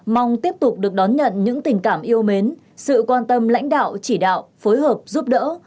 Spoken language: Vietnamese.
mong tiếp tục được đón nhận những tình cảm yêu mến sự quan tâm lãnh đạo chỉ đạo phối hợp giúp đỡ